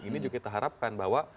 ini juga kita harapkan bahwa